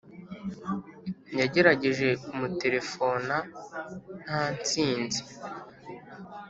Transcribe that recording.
yagerageje kumuterefona nta ntsinzi.